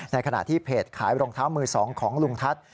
ขณะที่เพจขายรองเท้ามือ๒ของลุงทัศน์